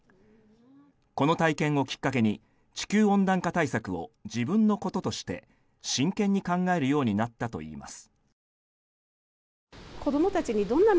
この体験をきっかけに地球温暖化対策を自分のこととして真剣に考えるようになったといいます。